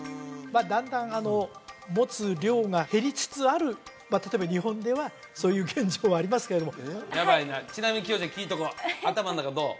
まあだんだん持つ量が減りつつある例えば日本ではそういう現状はありますけれどもやばいなちなみに妃代ちゃん聞いとこう頭の中どう？